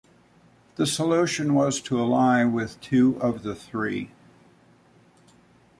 The solution was to ally with two of the three.